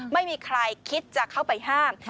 ไม่มีใครคิดจะเข้าไปห้าม